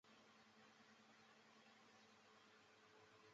目前正在爆发的兹卡病毒疫情引发运动员和游客的担忧。